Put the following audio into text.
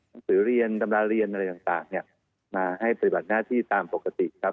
หนังสือเรียนตำราเรียนอะไรต่างเนี่ยมาให้ปฏิบัติหน้าที่ตามปกติครับ